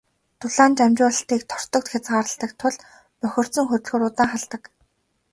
Дулаан дамжуулалтыг тортог хязгаарладаг тул бохирдсон хөдөлгүүр удаан халдаг.